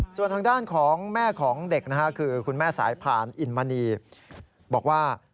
ส่วนทางด้านของแม่ของเด็กนะฮะคือคุณแม่สายผ่านอินมณีบอกว่า